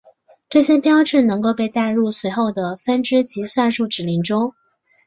这些标志能够被带入随后的分支及算术指令中。